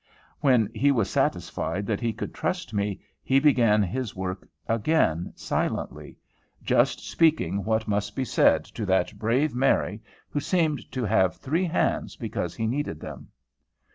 When he was satisfied that he could trust me, he began his work again, silently; just speaking what must be said to that brave Mary, who seemed to have three hands because he needed them.